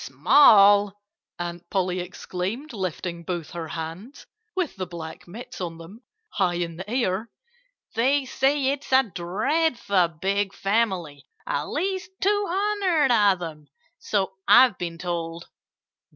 "Small!" Aunt Polly exclaimed, lifting both her hands (with the black mitts on them) high in the air. "They say it's a dreadful big family at least two hundred of 'em, so I've been told."